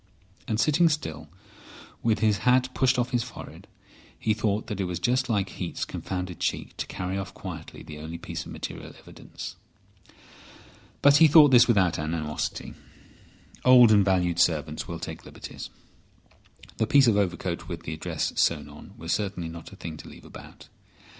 And sitting still, with his hat pushed off his forehead, he thought that it was just like Heat's confounded cheek to carry off quietly the only piece of material evidence. But he thought this without animosity. Old and valued servants will take liberties. The piece of overcoat with the address sewn on was certainly not a thing to leave about.